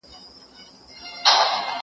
زه بايد د کتابتون د کار مرسته وکړم؟!